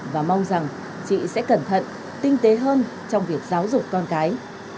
và mong rằng chị sẽ cẩn thận tinh tế hơn trong việc giáo dục con cái